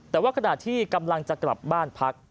แต่ว่าขณะที่กำลังจะกลับบ้านพัก